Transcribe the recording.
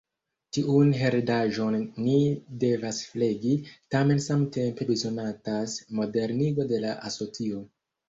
Tiun heredaĵon ni devas flegi, tamen samtempe bezonatas modernigo de la asocio.